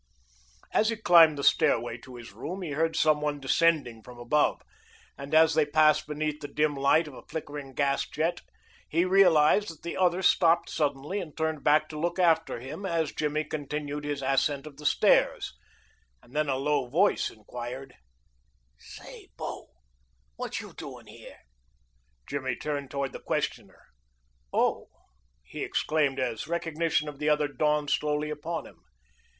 As he climbed the stairway to his room he heard some one descending from above, and as they passed beneath the dim light of a flickering gas jet he realized that the other stopped suddenly and turned back to look after him as Jimmy continued his ascent of the stairs; and then a low voice inquired: "Say, bo, what you doin' here?" Jimmy turned toward the questioner. "Oh!" he exclaimed as recognition of the other dawned slowly upon him.